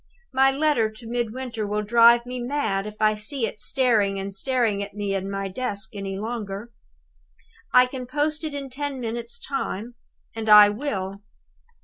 My letter to Midwinter will drive me mad if I see it staring and staring at me in my desk any longer. I can post it in ten minutes' time and I will!